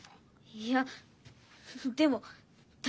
いやでもだ